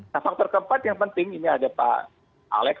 nah faktor keempat yang penting ini ada pak alex